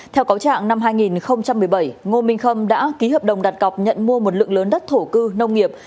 theo cáo trạng năm hai nghìn một mươi bảy ngô minh khâm đã ký hợp đồng đặt cọc nhận mua một lượng lớn đất thổ cư nông nghiệp